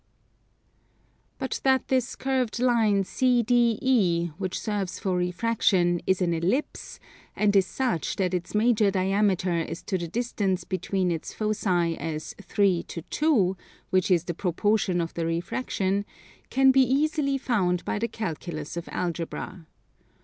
But that this curved line CDE which serves for refraction is an Ellipse, and is such that its major diameter is to the distance between its foci as 3 to 2, which is the proportion of the refraction, can be easily found by the calculus of Algebra.